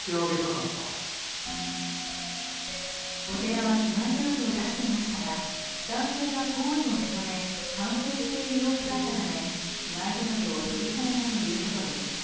お寺は被害届を出していましたが男性が行為を認め反省している様子だったため被害届を取り下げたということです。